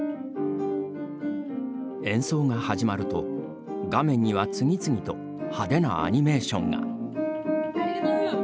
演奏が始まると画面には次々と派手なアニメーションが。